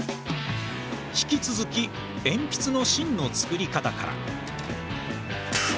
引き続きえんぴつの芯の作り方から。